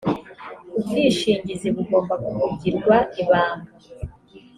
ubwishingizi bugomba kugirwa ibanga .